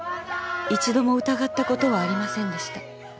「一度も疑ったことはありませんでした」